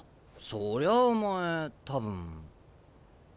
そりゃあお前多分。